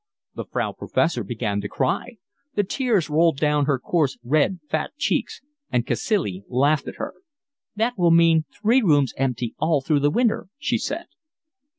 The Frau Professor began to cry. The tears rolled down her coarse, red, fat cheeks; and Cacilie laughed at her. "That will mean three rooms empty all through the winter," she said.